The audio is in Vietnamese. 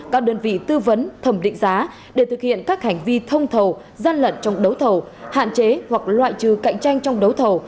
các đơn vị tư vấn thẩm định giá để thực hiện các hành vi thông thầu gian lận trong đấu thầu hạn chế hoặc loại trừ cạnh tranh trong đấu thầu